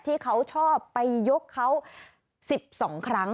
ที่เขาชอบไปยกเขา๑๒ครั้ง